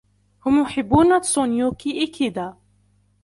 هم يحبون تسونيوكي إيكيدا.